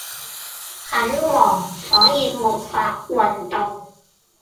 很忙所以沒法運動。